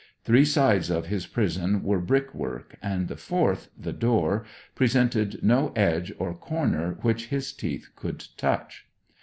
Three sides of his prison were brick work, and the fourth, the door, presented no edge or corner which his teeth could touch.